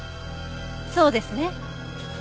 そうですね？